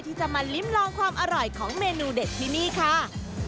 ที่จะมาลิ้มลองความอร่อยของเมนูเด็ดที่นี่ค่ะ